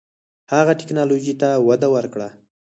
هغه ټیکنالوژۍ ته وده ورکړه.